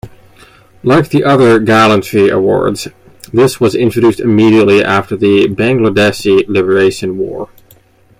Like the other gallantry awards, this was introduced immediately after the Bangladeshi Liberation War.